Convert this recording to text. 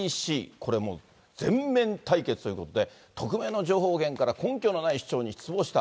これもう、全面対決ということで、匿名の情報源からの根拠のない主張に失望した。